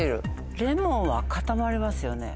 レモンは固まりますよね？